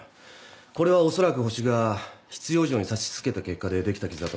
これはおそらくホシが必要以上に刺し続けた結果でできた傷だと思われます。